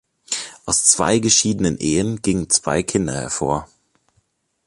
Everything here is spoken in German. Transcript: Aus zwei geschiedenen Ehen gingen zwei Kinder hervor.